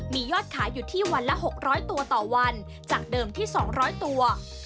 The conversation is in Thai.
มียอดขายอยู่ที่วันละ๖๐๐ตัวต่อวันจากเดิมที่๒๐๐ตัว